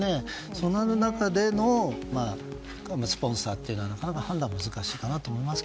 その中でのスポンサーというのはなかなか判断が難しいと思います。